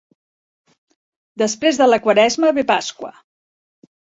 Després de la Quaresma ve Pasqua.